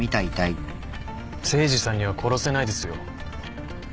誠司さんには殺せないですよ。